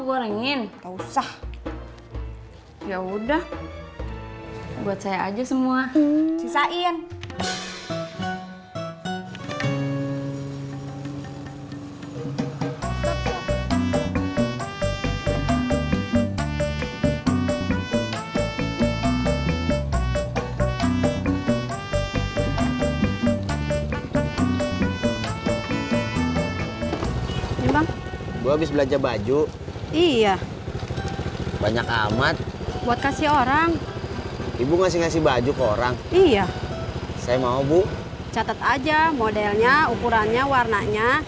orang orang ibu ngasih ngasih baju korang iya saya mau bu catet aja modelnya ukurannya warnanya